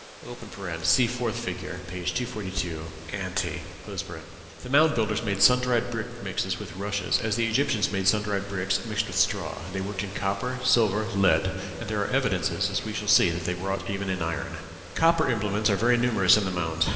(See 4th fig., p. 242, ante.) The Mound Builders made sun dried brick mixed with rushes, as the Egyptians made sun dried bricks mixed with straw; they worked in copper, silver, lead, and there are evidences, as we shall see, that they wrought even in iron. Copper implements are very numerous in the mounds.